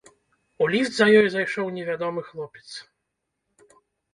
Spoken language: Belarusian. У ліфт за ёй зайшоў невядомы хлопец.